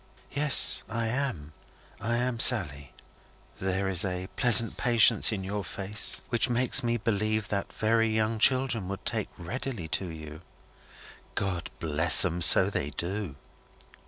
"Yes, I am. I am Sally." "There is a pleasant patience in your face which makes me believe that very young children would take readily to you." "God bless 'em! So they do."